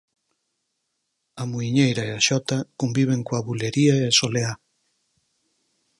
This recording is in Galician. A muiñeira e a xota conviven coa bulería e a soleá.